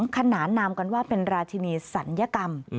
ขนานนามกันว่าเป็นราชินีศัลยกรรม